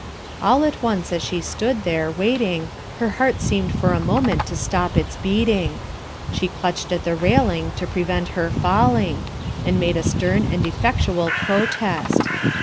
AH at once as she stood there, waiting, her heart seemed for a moment to stop its beating. She clutched at the railing to prevent her falling, and made a stern and effectual protest.